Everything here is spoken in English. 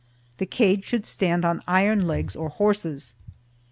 The cage should stand on iron legs or horses.